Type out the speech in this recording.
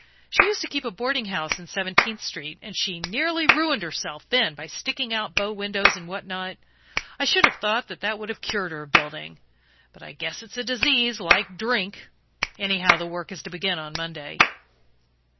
She used to keep a boarding house in Seventeenth Street, and she nearly ruined herself then by sticking out bow windows and what not; I should have thought that would have cured her of building, but I guess it's a disease, like drink. Anyhow, the work is to begin on Monday."